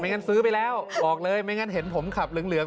ไม่งั้นซื้อแล้วแบบนี้เป็นหลงเหลือง